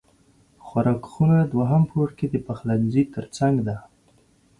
خوراک خونه دوهم پوړ کې د پخلنځی تر څنګ ده